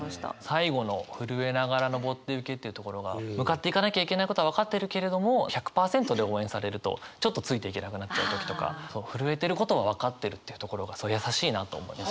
最後の「ふるえながらのぼってゆけ」っていうところが向かっていかなきゃいけないことは分かっているけれども１００％で応援されるとちょっとついていけなくなっちゃう時とかふるえてることは分かってるというところが優しいなと思いますね。